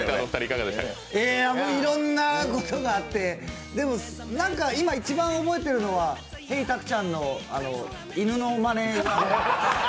いろんなことがあって、今一番覚えてるのは、ＨＥＹ！たくちゃんの犬のまね。